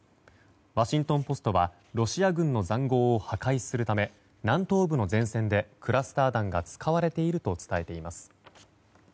ワシントン・ポストはロシア軍の塹壕を破壊するため南東部の前線でクラスター弾が使われていると伝えています。